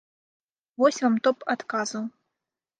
Вось вам топ адказаў.